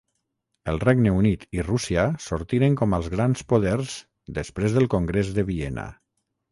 El Regne Unit i Rússia sortiren com als grans poders després del Congrés de Viena.